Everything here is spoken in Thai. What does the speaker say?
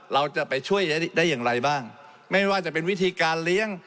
เราจะไปช่วยได้อย่างไรบ้างไม่ว่าจะเป็นวิธีการเลี้ยง